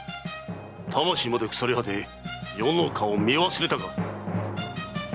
魂まで腐り果て余の顔を見忘れたか！